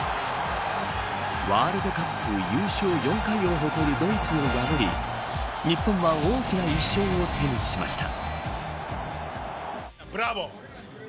ワールドカップ優勝４回を誇るドイツを破り日本は大きな一勝を手にしました。